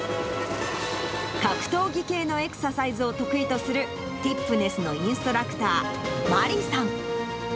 格闘技系のエクササイズを得意とする、ティップネスのインストラクター、マリさん。